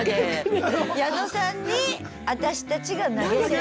矢野さんに私たちが投げ銭をする。